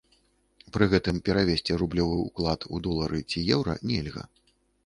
Пры гэтым перавесці рублёвы ўклад у долары ці еўра нельга.